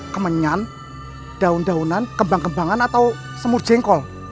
kemenyan daun daunan kembang kembangan atau semur jengkol